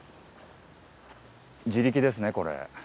自力ですねこれ。